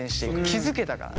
気付けたから。